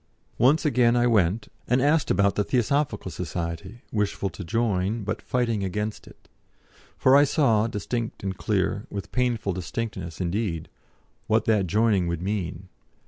Once again I went, and asked about the Theosophical Society, wishful to join, but fighting against it. For I saw, distinct and clear with painful distinctness, indeed what that joining would mean.